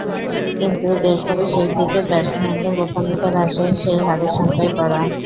কিন্তু এরপরই শেষ দিকের ব্যাটসম্যানদের বোকামিতে রাজশাহীর সেই হারের শঙ্কায় পড়া।